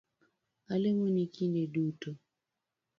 Alemoni kinde duto